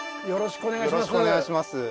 よろしくお願いします。